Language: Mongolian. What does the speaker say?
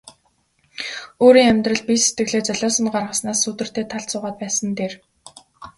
Өөрийн амьдрал бие сэтгэлээ золиосонд гаргаснаас сүүдэртэй талд суугаад байсан нь дээр.